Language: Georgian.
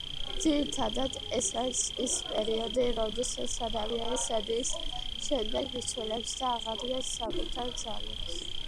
ძირითადად, ეს არის ის პერიოდი, როდესაც ადამიანი სადილის შემდეგ ისვენებს და აღადგენს საკუთარ ძალებს.